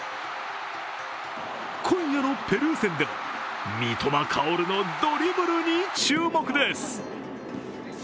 今夜のペルー戦でも三笘薫のドリブルに注目です。